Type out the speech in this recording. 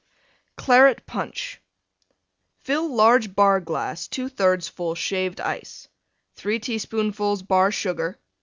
CLARET PUNCH Fill large Bar glass 2/3 full Shaved Ice. 3 teaspoonfuls Bar Sugar.